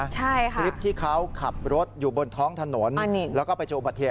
คลิปที่เขาขับรถอยู่บนท้องถนนแล้วก็ไปเจอกับประเทศ